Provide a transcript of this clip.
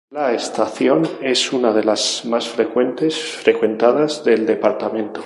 La estación es una de las más frecuentadas del departamento.